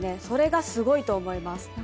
それがすごいと思います。